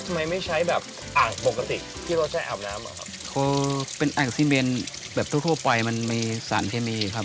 ไม่ใช้แบบอ่างปกติที่เราใช้อาบน้ำเหรอครับโอ้เป็นอ่างซีเมนแบบทั่วทั่วไปมันมีสารเคมีครับ